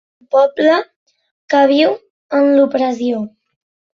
Un poble que viu en l'opressió.